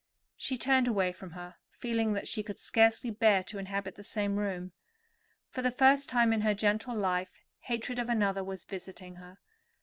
She turned away from her, feeling that she could scarcely bear to inhabit the same room. For the first time in her gentle life hatred of another was visiting her.